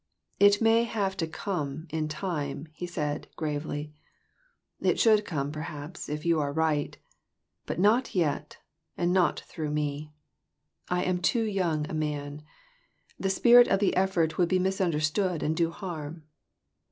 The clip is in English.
" It may have to come, in time," he said, gravely. " It should come, perhaps, if you are right ; but not yet, and not through me ; I am too young a man. The spirit of the effort would be misunderstood and do harm.